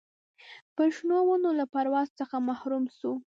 پر شنو ونو له پرواز څخه محروم سو